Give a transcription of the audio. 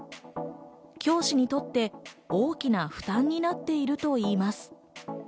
教師にとって大きな負担になっているといいます。